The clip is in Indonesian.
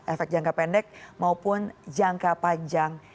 efek jangka pendek maupun jangka panjang